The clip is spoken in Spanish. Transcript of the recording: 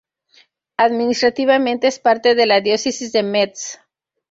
Administrativamente es parte de la Diócesis de Metz.